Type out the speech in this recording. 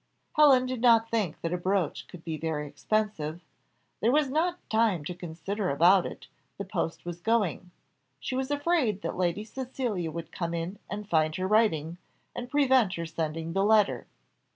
Helen did not think that a brooch could be very expensive; there was not time to consider about it the post was going she was afraid that Lady Cecilia would come in and find her writing, and prevent her sending the letter.